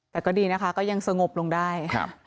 แต่ก็ดีนะคะก็ยังสงบลงได้